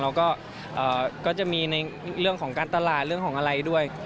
แล้วก็ก็จะมีในเรื่องของการตลาดเรื่องของอะไรด้วย